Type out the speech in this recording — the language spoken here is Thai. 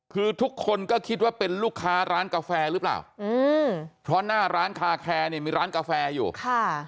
คือทุกคนก็คิดว่าเป็นลูกค้าร้านกาแฟหรือเปล่าอืมเพราะหน้าร้านคาแคร์เนี่ยมีร้านกาแฟอยู่ค่ะ